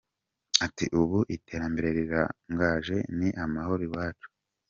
Ati “Ubu iterambere riraganje ni amahoro iwacu.